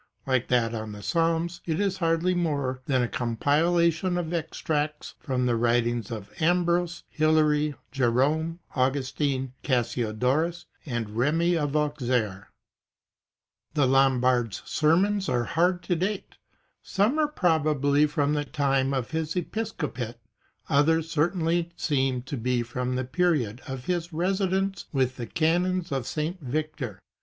Like that on the Psalms it is hardly more than a compila tion of extracts from the writings of Ambrose, Hilary, Jerome, Augustine, Cassiodorus and Remi of Auxerre.^ The Lombard's sermons are very hard to date. Some are probably from the time of his episcopate, others certainly seem to be from the period of his residence with the canons of St. Victor.